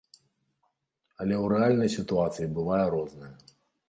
Але ў рэальнай сітуацыі бывае рознае.